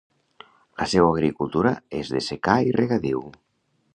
La seua agricultura és de secà i regadiu.